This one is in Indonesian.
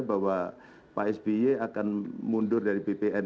bahwa pak sby akan mundur dari bpn